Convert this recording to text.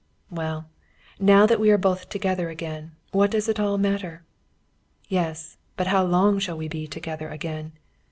Well, now that we are both together again, what does it all matter? Yes, but how long shall we be together again?